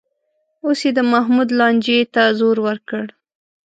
اوس یې د محمود لانجې ته زور ورکړ